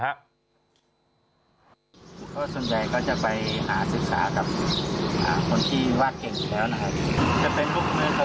บุคคลส่วนใดก็จะไปหาศึกษากับแบบผู้ชอบเขียนวาดต่อแล้วนะครับ